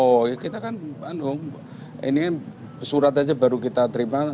oh ya kita kan bandung ini kan surat aja baru kita terima